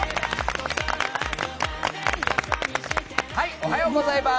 おはようございます。